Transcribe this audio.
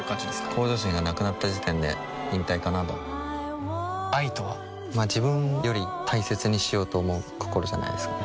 向上心がなくなった時点で引退かなとは愛とはま自分より大切にしようと思う心じゃないですかね